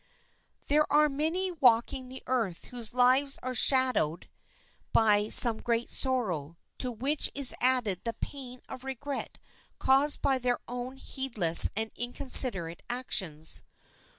There are many walking the earth whose lives are shadowed by some great sorrow, to which is added the pain of regret caused by their own heedless and inconsiderate actions.